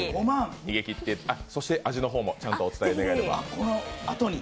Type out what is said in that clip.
そして味の方もちゃんとお伝え願えれば。